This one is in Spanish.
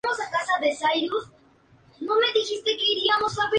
Le gusta encomendar a los chicos y chicas la afición por la literatura.